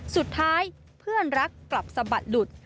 สุดท้ายเพื่อนรักกลับสะบัดหลุด